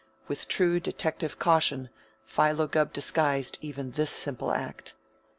With true detective caution Philo Gubb disguised even this simple act.